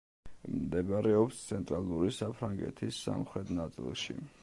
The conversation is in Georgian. მდებარეობს ცენტრალური საფრანგეთის სამხრეთ ნაწილში.